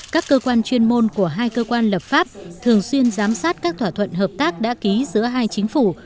các cơ quan chuyên môn của hai cơ quan lập pháp thường xuyên giám sát các thỏa thuận hợp tác đã ký giữa hai chính phủ